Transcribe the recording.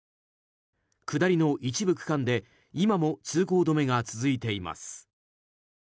下りの一部区間で今も通行止めが続いています。